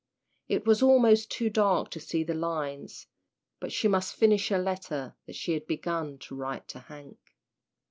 It was almost too dark to see the lines, but she must finish a letter that she had begun to write to Hank.